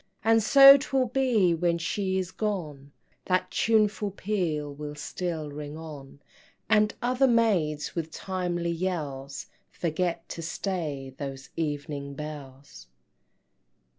And so 'twill be when she is gone, That tuneful peal will still ring on, And other maids with timely yells Forget to stay those Evening Bells.